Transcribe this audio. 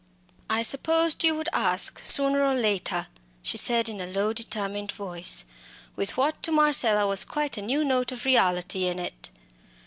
"I supposed you would ask sooner or later," she said in a low determined voice, with what to Marcella was a quite new note of reality in it.